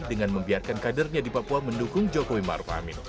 dengan membiarkan kadernya di papua mendukung jokowi maruf amin